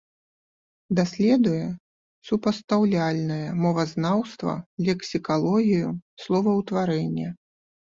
Даследуе супастаўляльнае мовазнаўства, лексікалогію, словаўтварэнне.